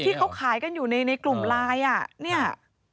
ที่เขาขายกันอยู่ในกลุ่มไลน์